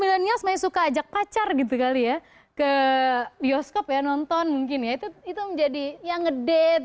gitu ya mungkin anak anak millenials suka ajak pacar gitu kali ya ke bioskop ya nonton mungkin ya itu menjadi yang ngedate gitu